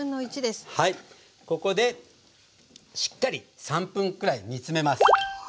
ここでしっかり３分くらい煮詰めます。